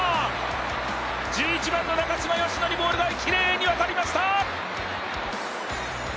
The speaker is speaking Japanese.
１１番の中嶋淑乃にボールがきれいに渡りました。